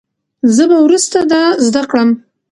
زه به وروسته دا زده کړم.